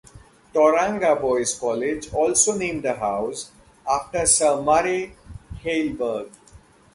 Tauranga Boys' College also named a house after Sir Murray Halberg.